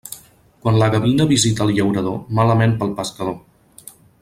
Quan la gavina visita el llaurador, malament pel pescador.